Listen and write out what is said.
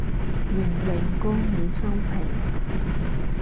願榮光已收皮